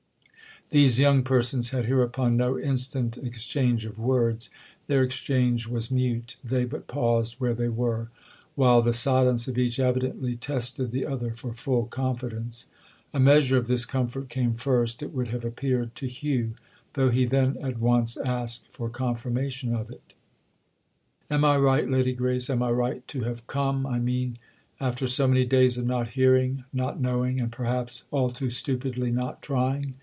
These young persons had hereupon no instant exchange of words; their exchange was mute—they but paused where they were; while the silence of each evidently tested the other for full confidence. A measure of this comfort came first, it would have appeared, to Hugh; though he then at once asked for confirmation of it. "Am I right, Lady Grace, am I right?—to have come, I mean, after so many days of not hearing, not knowing, and perhaps, all too stupidly, not trying."